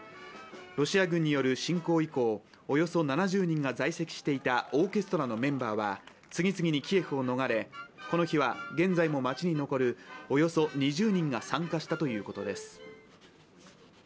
ロシア軍による侵攻以降、およそ７０人が在籍していたオーケストラのメンバーは次々にキエフを逃れ、この日は現在も街に残るおよそ２０人が参加をしたということです。